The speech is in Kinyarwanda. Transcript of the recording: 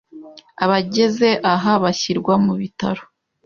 Abageze aha bashyirwa mu bitaro,